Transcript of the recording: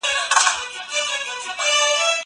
هغه وويل چي لاس مينځل مهم دي؟!